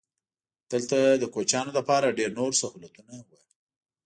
دلته د کوچیانو لپاره ډېر نور سهولتونه وو.